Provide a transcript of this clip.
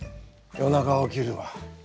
夜中起きるわ。